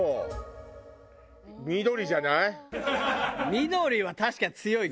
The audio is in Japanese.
緑は確かに強いか。